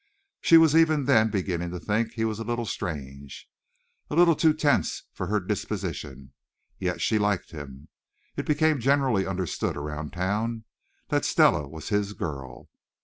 She was even then beginning to think he was a little strange, a little too tense for her disposition. Yet she liked him. It became generally understood around town that Stella was his girl.